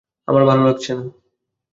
আমার ভালো লাগছে না।